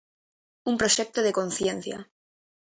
Un proxecto de conciencia.